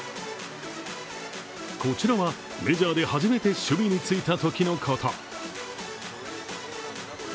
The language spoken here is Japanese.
こちらは、メジャーで初めて守備についたときのこと。